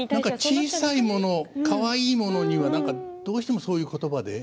小さいもの、かわいいものには、どうしてもそういう言葉で。